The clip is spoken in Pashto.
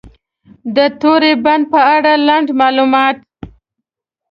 د توری بند په اړه لنډ معلومات: